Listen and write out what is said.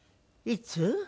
いつ？